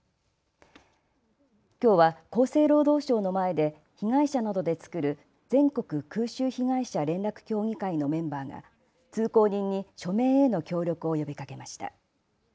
きょうは厚生労働省の前で被害者などで作る全国空襲被害者連絡協議会のメンバーが通行人に署名への協力を呼びかけました。